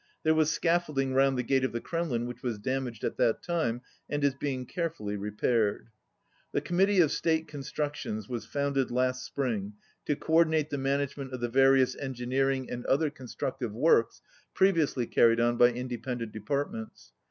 There was scaffolding round the gate of the Kremlin which was damaged at that time and is being carefully repaired. The Committee of State Constructions was founded last spring to co ordinate the manage ment of the various engineering and other con 96 structive works previously carried on by independ ent departments.